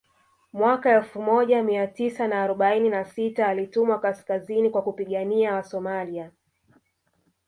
Mwaka elfu moja Mia tisa na arobaini na sita alitumwa kaskazini kwa kupigania Wasomalia